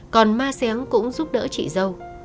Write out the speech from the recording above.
còn ma sáng cũng giúp đỡ chị dâu